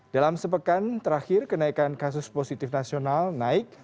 dalam sepekan terakhir kenaikan kasus positif nasional naik